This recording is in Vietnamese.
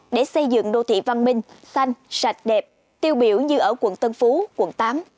để xây dựng đô thị văn minh xanh sạch đẹp tiêu biểu như ở quận tân phú quận tám